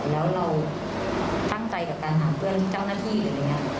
แล้วเราตั้งใจกับการหาเพื่อนเจ้าหน้าที่อะไรอย่างนี้